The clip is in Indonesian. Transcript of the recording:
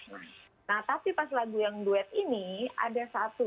nah tapi pas lagu yang duet ini ada satu